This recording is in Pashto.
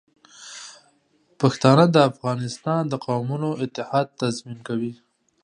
پښتانه د افغانستان د قومونو اتحاد تضمین کوي.